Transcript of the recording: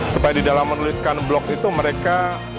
supaya di dalam menuliskan blok itu mereka